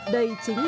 đây chính là điểm